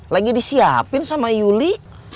lagi disiapin sama yuli